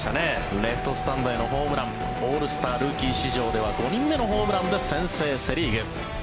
レフトスタンドへのホームランオールスタールーキー史上では５人目のホームランで先制、セ・リーグ。